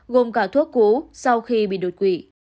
gồm cả thuốc cú sau khi bị đột quỷ